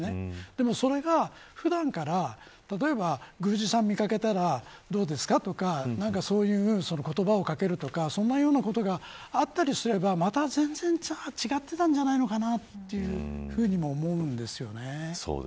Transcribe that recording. でもそれが、普段から宮司さんを見掛けたらどうですかとかそういう言葉を掛けるとかそんなことがあったりすればまた全然違っていたのではないかなというふうにも思います。